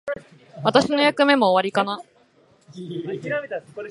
私の役目も終わりかな。